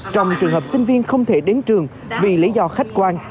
trong trường hợp sinh viên không thể đến trường vì lý do khách quan